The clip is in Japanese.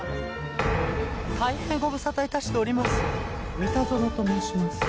三田園と申します。